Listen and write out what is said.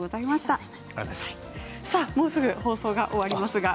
もうすぐ放送が終わります。